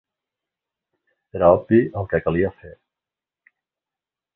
Era obvi el que calia fer.